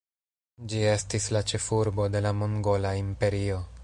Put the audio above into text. Ĝi estis la ĉefurbo de la Mongola Imperio.